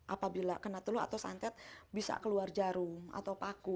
apabila kena teluk atau santet bisa keluar jarum atau paku